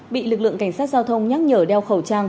bị lực lượng cảnh sát giao thông nhắc nhở đeo khẩu trang